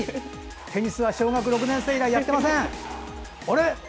テニスは小学６年生以来やってません。